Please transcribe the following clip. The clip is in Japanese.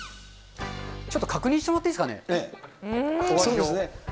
ちょっと確認してもらっていいでそうですね。